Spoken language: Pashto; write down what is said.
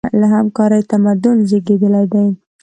له همکارۍ تمدن زېږېدلی دی.